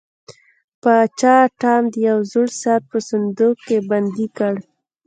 پاچا ټام د یو زوړ ساعت په صندوق کې بندي کړ.